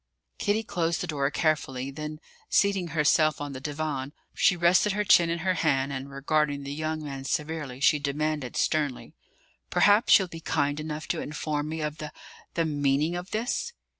Kitty closed the door carefully; then, seating herself on the divan, she rested her chin in her hand and, regarding the young man severely, she demanded sternly: "Perhaps you'll be kind enough to inform me of the the meaning of this?"